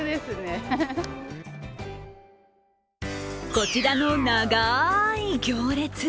こちらの長い行列。